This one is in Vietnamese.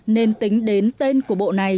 nên tính đến tên của bộ này